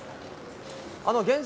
現状